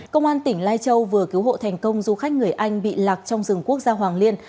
công an tỉnh lai châu vừa cứu hộ thành công du khách người anh bị lạc trong rừng quốc gia hoàng liên